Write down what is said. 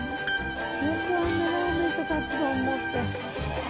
よくあんなラーメンとかつ丼持って。